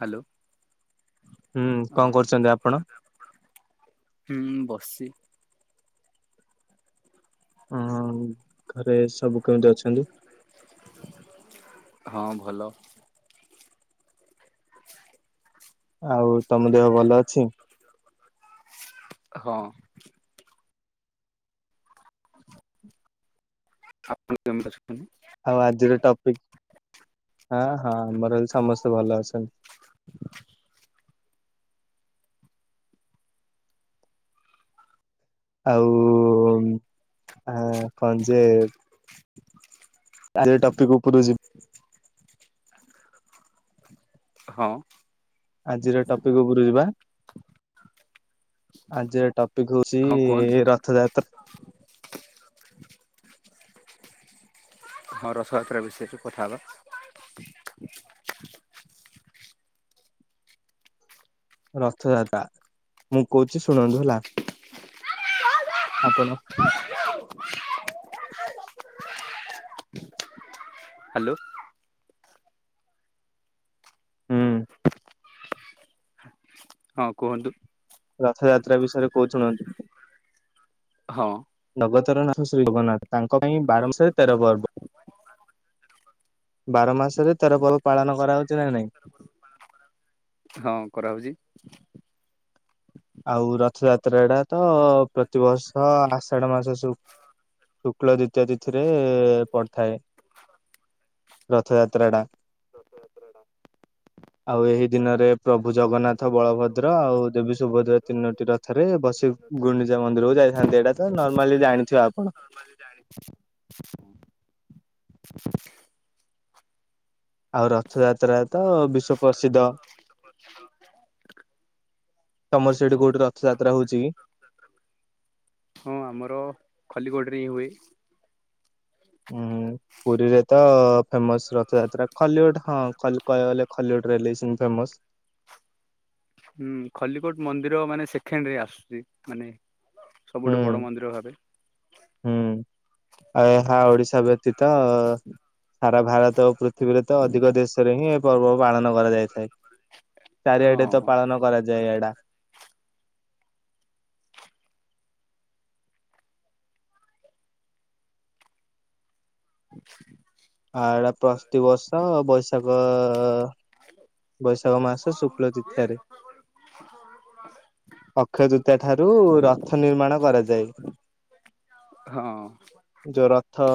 Hello. ହୁଁ କଣ କରୁଚନ୍ତି ଆପଣ? ହୁଁ ବସ୍ଚି। ଉଁ ଘରେ ସବୁ କେମିତି ଅଛନ୍ତି? ହଁ ଭଲ। ଆଉ ତମ ଦେହ ଭଲ ଅଛି? ହଁ। ଆପଣ କେମିତି ଅଛନ୍ତି? ଆଉ ଆଜିର ଟପିକ ଆଁ ହଁ-ହଁ ଆମର ବି ସମସ୍ତେ ଭଲ ଅଛନ୍ତି। ଆଉ ଆଁ କଣ ଯେ ଟପିକ୍ ଉପୁରୁକୁ ଯି ହଁ। ଆଜିର ଟପିକ୍ ଉପୁରୁ ଯିବା ଆଜିର ଟ ଟପିକ୍ ହଉଚି ହଁ କୁହନ୍ତୁ ରଥଯାତ୍ରା। ହଁ ରଥଯାତ୍ରା ବିଷୟରେ କଥା ହବା। ରଥଯାତ୍ରା ମୁଁ କହୁଛି ଶୁଣନ୍ତୁ ହେଲା, ଆପଣ ହ୍ୟାଲୋ ହୁଁ ହଁ କୁହନ୍ତୁ। ରଥଯାତ୍ରା ବିଷୟରେ କହୁଚି ଶୁଣନ୍ତୁ। ହଁ। ଜଗତର ନାଥ ଶ୍ରୀ ଜଗନ୍ନାଥ ତାଙ୍କ ପାଇଁ ବାର ମାସରେ ତେର ପର୍ବ। ବାର ମାସରେ ତେର ପର୍ବ ପାଳନ କରାହଉଛି ନା ନାଇଁ? ହଁ କରାହଉଚି। ଆଉ ରଥଯାତ୍ରା ଟା ତ ପ୍ରତିବର୍ଷ ଆଷାଢ ମାସ ଶୁ ଶୁକ୍ଳ ଦ୍ୱିତୀୟା ତିଥିରେ ପଡିଥାଏ ରଥଯାତ୍ରା ଟା। ଆଉ ଏହି ଦିନରେ ପ୍ରଭୁ ଜଗନ୍ନାଥ, ବଳଭଦ୍ର ଆଉ ଦେବୀ ସୁ ସୁଭଦ୍ରା ତିନୋଟି ରଥରେ ବସି ଗୁଣ୍ଡିଚା ମନ୍ଦିରକୁ ଯାଇଥାନ୍ତି, ଏଇଟା ତ ନର୍ମାଲି ଜାଣିଥିବେ ଆପଣ। ମେ ଜାଣି [unintelligible] ଆଉ ରଥଯାତ୍ରା ତ ବିଶ୍ଵ ପ୍ରସିଦ୍ଧ। ତମର ସେଇଠି କୋଉଠି ରଥଯାତ୍ରା ହଉଚି କି? ହଁ ଆମର ଖଲିିକୋଟରେ ହିଁ ହୁଏ। ଉଁ। ପୁରୀରେ ତ ଫେମସ୍ ରଥଯାତ୍ରା, ଖୋଲିକୋଟ୍ ହଁ ଖ କହିବାକୁ ଗଲେ ଖୋଲିକୋଟରେ ହେଲେ ବି ସେମିତି ଫେମସ୍। ହୁଁ ଖଲିକୋଟ୍ ମନ୍ଦିର ମାନେ ସେଖେଣ୍ଡ ରେ ଆସୁଛି ମାନେ ହୁଁ ସବୁଠୁ ବଡ ମନ୍ଦିର ଭାବେ। ହୁଁ ଆଉ ଏହା ଓଡିଶା ବ୍ୟତୀତ ସାରା ଭାରତ ଓ ପୃଥିବୀରେ ତ ଅଧିକ ଦେଶରେ ହିଁ ଏ ପର୍ବ ପାଳନ କରାଯାଇଥାଏ। ହଁ ଚାରିଆଡେ ତ ପାଳନ କରାଯାଏ ଏଇଡା। ଆ ଏଇଡ଼ା ପ୍ରତିିବର୍ଷ ବୈଶାଖ ବୈଶାଖ ମାସ ଶୁକ୍ଲ ତିଥିଆରେ ଅକ୍ଷୟତୃତୀୟ ଠାରୁ ରଥ ନିର୍ମାଣ କରାଯାଏ। ହଁ ଯୋଉ ରଥ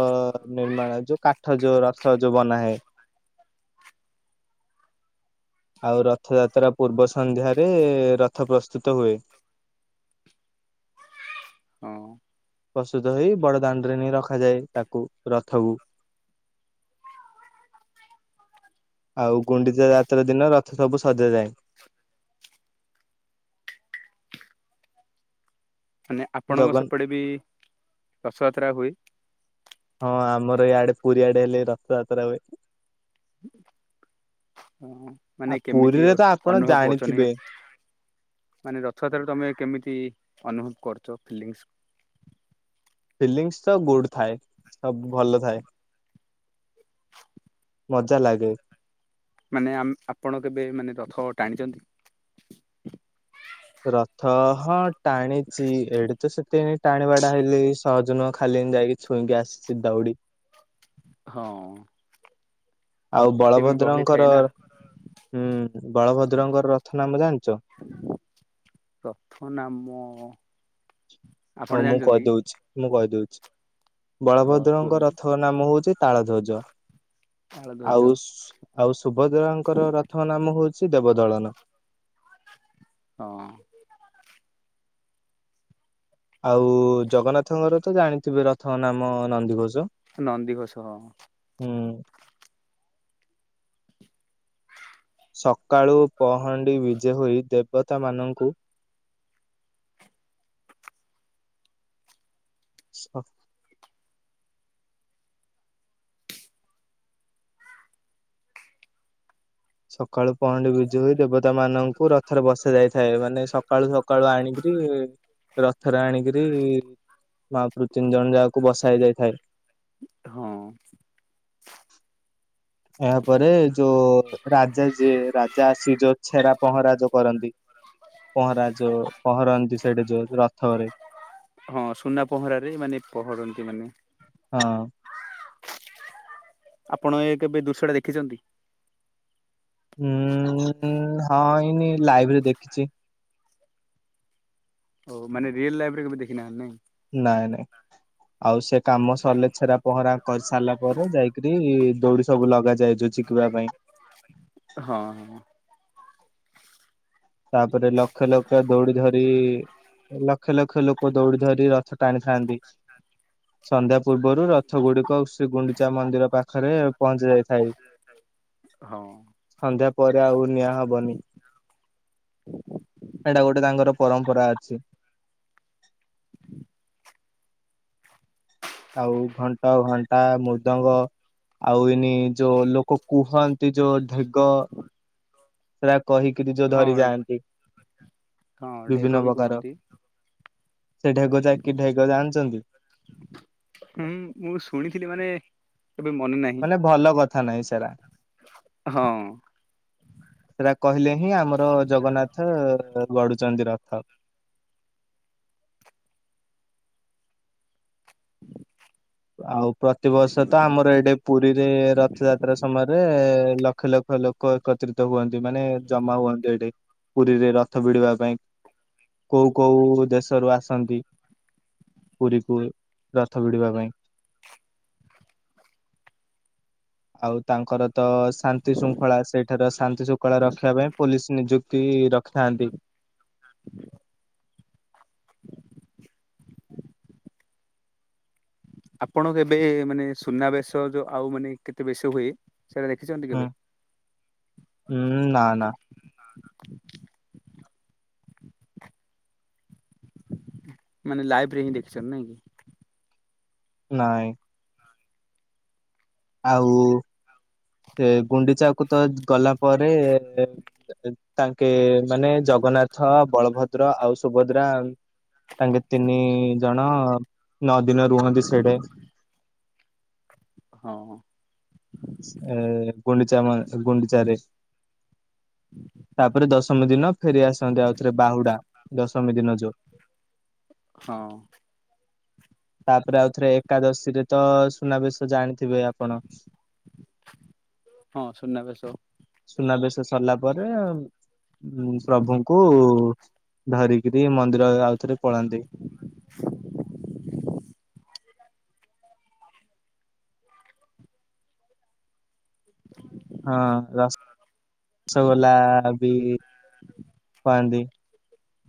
ନିର୍ମାଣ ଯୋଉ କାଠ ଯୋଉ ରଥ ଯୋଉ ବନାଯାଏ। ଆଉ ରଥଯାତ୍ରା ପୂର୍ବ ସନ୍ଧ୍ୟାରେ ରଥ ପ୍ରସ୍ତୁତ ହୁଏ। ହଁ ପ୍ରସ୍ତୁତ ହେଇ ବଡ ଦାଣ୍ଡରେ ନେଇ ରଖାଯାଏ ତାକୁ ରଥକୁ। ଆଉ ଗୁଣ୍ଡିଚା ଯାତ୍ରା ଦିନ ରଥ ସବୁ ସଜାଯାଏ। ମାନେ ଆପଣଙ୍କ ଜଗନ୍ ସେପଟେ ବି ରଥଯାତ୍ରା ହୁଏ। ହଁ ଆମର ଇଆଡେ ପୁରୀ ଆଡେ ହେଲେ ରଥଯାତ୍ରା ହୁଏ। ଆଉ ମାନେ କେମିତି ପୁରୀରେ ତ ଆପଣ ଅନୁଭବ ଜାଣିଥିବେ କରୁଛନ୍ତି। ମାନେ ରଥଯାତ୍ରରେ ତମେ କେମିତି ଅନୁଭବ କରୁଛ ଫିଲିଙ୍ଗସ? ଫିଲିଙ୍ଗସ ତ ଗୁଡ ଥାଏ ସବୁ ଭଲ ଥାଏ। ମଜା ଲାଗେ। ମାନେ ଆ ଆପଣ କେବେ ମାନେ ରଥ ଟାଣିଛନ୍ତି? ରଥ ହଁ ଟାଣିଛିି ଏଠି ତ ସେଥିପାଇଁ ଟାଣିବାଟା ହେଇଲି ସହଜ ନୁହଁ ଖାଲି ଏମିତି ଯାଇକି ଛୁଇଁକି ଆସିଛି ଦଉଡି। ହଁ ଆଉ ଏତେ ବି ଗହଳି ଥାଏ ବଳଭଦ୍ରଙ୍କର ନା ହୁଁ ବଳଭଦ୍ରଙ୍କର ରଥ ନାମ ଜାଣିଛ? ରଥ ନାମ ଆପଣ ହଉ ମୁଁ ଜାଣିଛନ୍ତି କି? କହିଦଉଛି ମୁଁ କହିଦଉଛି। ହଁ ବଳଭଦ୍ରଙ୍କ କୁହନ୍ତୁ ରଥ ନାମ ହଉଛି ତାଳ ଧ୍ୱଜ ତାଳଧ୍ୱଜ ଆଉ ଆଉ ସୁଭଦ୍ରାଙ୍କର ରଥମ ନାମ ହଉଛି ଦେବଦଳନ। ହଁ ଆଉ ଜଗନ୍ନାଥଙ୍କର ତ ଜାଣିଥିବେ ରଥଙ୍କ ନାମ ନନ୍ଦିଘୋଷ। ନନ୍ଦି ଘୋଷ ହଁ। ହୁଁ ସକାଳୁ ପହଣ୍ଡି ବିଜେ ହୋଇ ଦେବତା ମାନଙ୍କୁ [unintelligible] ସକାଳୁ ପହଣ୍ଡି ବି ଦୁଇ ଦେବତା ମାନଙ୍କୁ ରଥରେ ବସା ଯାଇଥାଏ ମାନେ ସକାଳୁ ସକାଳୁ ଆଣିକି ରଥରେ ଆଣିକରି ମାହାପୁରୁ ତିନି ଜଣ ଯାକୁ ବସା ହେଇ ଯାଇଥାଏ। ହଁ ଏହା ପରେ। ଯୋଉ ରାଜା ଯିଏ ରାଜା ଆସି ଯୋଉ ଛେରା ପହଁରା ଯୋଉ କରନ୍ତି। ପହଁରା ଯୋଉ ପହଁରନ୍ତି ସେଇଠି ଯୋଉ ରଥରେ। ହଁ ସୁନା ପହଁରାରେ, ମାନେ ପହଁରନ୍ତି ମାନେ। ହଁ ଆପଣ ଏ କେବେ ଦୃଶ୍ୟଟା ଦେଖିଛନ୍ତି ହୁଁ ହଁ ଏଇନି ଲାଇଭରେ ଦେଖିଛି ଓ ମାନେ ରିଲ ଲାଇଫରେ କେବେ ଦେଖିନାହାନ୍ତି ନାଇଁ ନାଇଁ ନାଇଁ ଆଉ ସେ ହଁ କାମ ସରିଲେ ଛେରା ପହଁରା କରି ସାରିଲା ପରେ ଯାଇକରି ଦୌଡି ସବୁ ଲଗା ଯାଇ ଯାଏଁ ତୁଆ ପାଇଁ ହଁ ହଁ ତାପରେ ଲ ଲ [inaudible] ଲକ୍ଷ ଲକ୍ଷ ଲୋକ ଦୌଡ଼ି ଧରି ରଥ ଟାଣିଥାନ୍ତି ଆଜି [inaudible] ସନ୍ଧ୍ୟା ପୂର୍ବରୁ ରଥ ଗୁଡିକ ଶ୍ରୀ ଗୁଣ୍ଡିଚା ମନ୍ଦିର ପାଖରେ ପହଞ୍ଚି ଯାଇଥାଏ ହଁ ସନ୍ଧ୍ୟା ପରେ ଆଉ ନିଆଁ ହବନି ଏଇଟା ଗୋଟେ ତାଙ୍କର ପରମ୍ପରା ଅଛି। ଆଉ ଘଣ୍ଟ ଘଣ୍ଟା ମୃଦଙ୍ଗ ଆଉ ଏନି ଯୋଉ ଲୋକ କୁହ ଏ ଯୋଉ ଢେଗ ସେଇଟା କହିକି ଯୋଉ ନିଜ ଧରି ହଁ ଯାଆନ୍ତି ହଁ ଢେଗ ବିଭିନ୍ନ ବି ପ୍ରକାର କୁହନ୍ତି। ସେ ଢେଗ ଯାଇକି ଢେଗ ଜାଣିଛନ୍ତି? ହୁଁ ମୁଁ ଶୁଣିଥିଲି ମାନେ କେବେ ମନେ ନାହିଁ। ମାନେ ଭଲ କଥା ନାହିଁ ସେଇଡା। ହଁ। ସେଇଟା କହିଲେ ହିଁ ଆମର ଜଗନ୍ନାଥ ଗଡୁଛନ୍ତି ରଥ। ଆଉ ପ୍ରତିବର୍ଷ ତ ଆମର ଏଟେ ପୁରୀରେ ରଥଯାତ ତ୍ରା ସମୟରେ ଲକ୍ଷ ଲକ୍ଷ ଲୋକ ଏକତ୍ରିତ ହୁଅନ୍ତି ମାନେ ଜମା ହୁଅନ୍ତି ଏଠି। ପୁରୀରେ ରଥ ବିଢ଼ୀବା ପାଇଁ କୋଉ କୋଉ ଦେଶରୁ ଆସନ୍ତି। ପୁରୀକୁ ରଥ ବିିଢିବା ପାଇଁ। ଆଉ ତାଙ୍କର ତ ଶାନ୍ତି ଶୃଙ୍ଖଳା ସେଇଠାରେ ଶାନ୍ତି ଶୃଙ୍ଖଳା ରଖିବା ପାଇଁ ପୋଲିସ ନିଯୁକ୍ତି ତି ରଖିଥାନ୍ତି। [inaudible] ଆପଣଙ୍କ କେବେ ମାନେ ସୁନାବେଶ ଯୋଉ ଆଉ ମାନେ କେତେ ବେଶ ହୁଏ ସେଇଟା ଦେଖିଛନ୍ତି ହୁଁ କେବେ? ହୁଁ ନା ନା ନାଁ ନାଁ ନା। ମାନେ ଲାଇଭ ରେ ହିଁ ଦେଖିଛନ୍ତି ନାଇଁ କି? ନାଇଁ। ଆଉ ସେ ଗୁଣ୍ଡିଚାକୁ ତ ଗଲା ପରେ ଏ ତାଙ୍କେ ମାନେ ଜଗନ୍ନାଥ ବଳଭଦ୍ର ଆଉ ସୁଭଦ୍ରା ତାଙ୍କେ ତିନି ଜଣ ନଅ ଦିନ ରୁହନ୍ତି ସିଆଡ଼େ। ହଁ। ଏଗୁଣ୍ଡିଚା ମ ଗୁଣ୍ଡଚାରେ। ହୁଁ [inaudible] ତାପରେ ଦଶମୀ ଦିନ ଫେରି ଆସନ୍ତି ଆଉଥରେ ବାହୁଡା ଦଶମୀ ଦିନ ଯୋଉ। ହଁ। ତାପରେ ଆଉଥରେ ଏକାଦଶୀ ରେ ତ ସୁନାବେଶ ଜାଣିଥିବେ ଆପଣ? ହଁ ସୁନାବେଶ। ସୁନାବେଶ ସରିଲା ପରେ ପ୍ରଭୁଙ୍କୁ ଧରିକିରି ମନ୍ଦିର ଆଉଥରେ ପଳାନ୍ତି। [inaudible] [inaudible] ହଁ ଲାଷ୍ଟ ରସଗୋଲା ବି ଖୁଆନ୍ତି।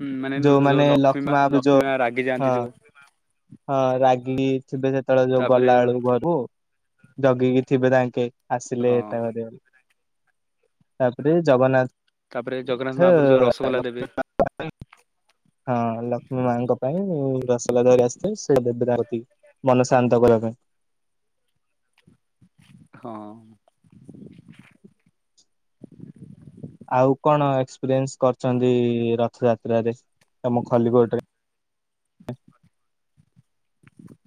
ହୁଁ ମାନେ ଉଁ ଲ ଲକ୍ଷ୍ମୀ ମା ଲକ୍ଷ୍ମୀ ମା ରାଗି ହଁ ଯାଆନ୍ତି ଯୋଉ ହଁ ରାଗିକି ଥିବେ ସେତେବେଳେ ଯୋଉ ତାପରେ ଗଲା ବେଳୁ ପ୍ରଭୁ ଜଗିକି ଥିବେ ତାଙ୍କେ। ଆସିଲେ ହଁ ଏତା କରିବା ତାପରେ ଜଗନ୍ନାଥ ତାପରେ ଜଗନ୍ନାଥ ମାହାପୁର ଯୋଉ ରସଗୋଲା ଲକ୍ଷ୍ମୀ ଦେବେ। ମା ପାଇଁ ହଁ ଲକ୍ଷ୍ମୀ ମାଙ୍କ ପାଇଁ ରସଗୋଲା ଧରିକି ଆସି ସେ ଦେବେତା ରଖି ମନ ଶାନ୍ତ କରିବା ପାଇଁ। ହଁ। ଆଉ କଣ ଏକ୍ସପିରିଏନ୍ସ କରିଛନ୍ତି ରଥଯାତ୍ରାରେ ତ ଲମ ଖଲିିକୋଟ ରେ?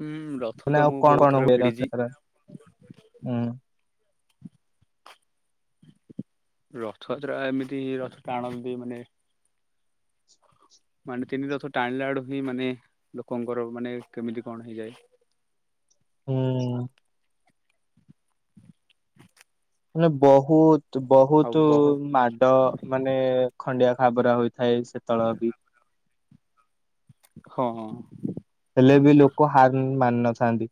ହୁଁ ରଥ ମାନେ ତ ଆଉ ମୁଁ କଣ ବହୁତ କଣ ଥର ହୁଏ ଭିଡିଛି। ରଥଯାତ୍ରା ହୁଁ। ରଥଯାତ୍ରା ଏମିତି ରଥ ଟାଣନ୍ତି ମାନେ ମାନେ ତିନି ରଥ ଟାଣିଲା ଆଡୁ ହିଁ ମାନେ ଲୋକଙ୍କର ମାନେ କେମିତି କଣ ହେଇଯାଏ। ହୁଁ। ମାନେ ବହୁତ୍ ଆଉ ବହୁତୁ ବହ ମାଡ ମାନେ ଖଣ୍ଡିଆ ଖାବରା ହୋଇଥାଏ ସେତଳ ବି। ହଁ। ହେଲେ ବି ଲୋକ ହାର୍ ମାନିନଥାନ୍ତି।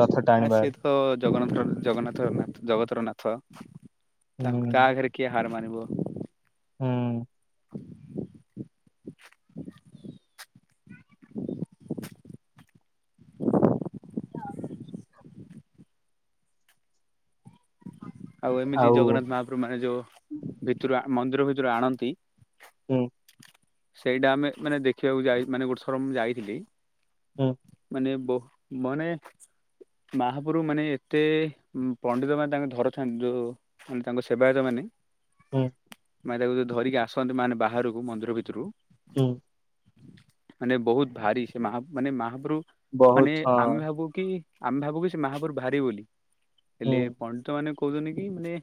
ରଥ ଆ ଟାଣିବାରେ ସେତ ତ ଜଗନ୍ନାଥ ଠାକୁର୍ ଜଗନ୍ନାଥ ନାଥ- ଜଗତର ନାଥ ତା -ତା ହୁଁ। ଆଗରେ କିଏ ହାର୍ ମାନିବ। ହୁଁ। ଆଉ ଏମିତି ଜଗନ୍ନାଥ ମହାପ୍ରଭୁ ମାନେ ଯଉ ଭିତୁରୁ ଆ-ମନ୍ଦିର ଭିତରୁ ଆଣନ୍ତି ହୁଁ। ସେଇଟା ଆମେ ମାନେ ଦେଖିବାକୁ ଯାଇ ମାନେ ଗୋଟେ ଥର ମୁଁ ଯାଇଥିଲି ହୁଁ ମାନେ ବହୁ ମନେ ସ୍ ମାହାପୁରୁ ମାନେ ଏତେ ପଣ୍ଡିତ ମାନେ ତାଙ୍କ ଧରଥାନ୍ତି ଯଉ ମାନେ ତାଙ୍କ ସେବାୟତ ମାନେ ହୁଁ। ମାନେ ତାକୁ ଯଉ ଧରିକି ଆସନ୍ତି ମାନେ ବାହାରକୁ ମନ୍ଦିର ଭିତରୁ ହୁଁ। ମାନେ ବହୁତ୍ ଭାରି ସେ ମାହା-ମାନେ ମାହାପ୍ରଭୁ। ମାନେ ବହୁତ ଆମେ ହଁ ଭାବୁ କି -ଆମେ ଭାବୁ କି ସେ ମାହାପୁରୁ ଭାରି ବୋଲି ହେଲେ ହୁଁ ପଣ୍ଡିତମାନେ କହୁଚନ୍ତି କି ମାନେ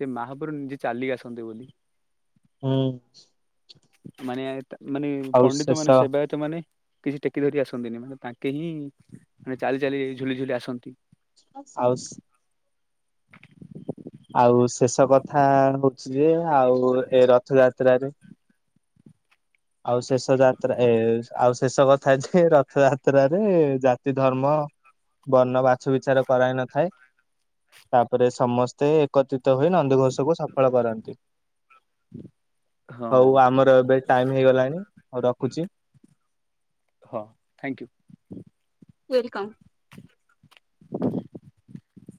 ସେ ମାହାପୁରୁ ନିଜେ ଚାଲି କି ଆସନ୍ତି ବୋଲି। ହୁଁ। ମାନେ -ମାନେ ଆଉ ପଣ୍ଡିତ ମାନେ ଶେଷ ସେବାୟତ୍ ସେବାୟତ ମାନେ କିଛି ଟେକି ଧରି ଆସନ୍ତିନି ମାନେ ତାଙ୍କେ ହିଁ ମାନେ ଚାଲି ଚାଲି ଝୁଲି ଝୁଲି ଆସନ୍ତି। ଆଉ ସ୍ ଆଉ ଶେଷ କଥା ହଉଚି ଯେ ଆଉ ଏ ରଥଯାତ୍ରାରେ ଆଉ ଶେଷ ଯାତ୍ରା -ଏ ଆଉ ଶେଷ କଥା ଯେ ରଥ ଯାତ୍ରାରେ ଜାତି ଧର୍ମ ବର୍ଣ୍ଣ ବାଛ ବିଚାର କରା ହେଇନଥାଏ ତାପରେ ସମସ୍ତେ ଏକତ୍ରିତ ହୋଇ ନନ୍ଦିଘୋଷ କୁ ସଫଳ କରାନ୍ତି। ହଁ ହଉ ଆମର ଏବେ ଟାଇମ୍ ହେଇଗଲାଣି ହଉ ରଖୁଚି। ହଁ ଥ୍ୟାଙ୍କୟୁ। ୱେଲକମ୍।